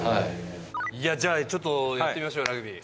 じゃあちょっとやってみましょうラグビー。